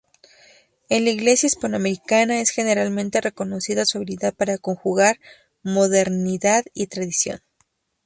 En la iglesia hispanoamericana es generalmente reconocida su habilidad para conjugar modernidad y tradición.